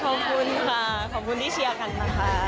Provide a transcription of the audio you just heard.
ขอบคุณค่ะขอบคุณที่เชียร์กันนะคะ